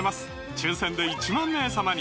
抽選で１万名様に！